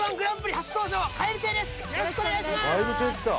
よろしくお願いします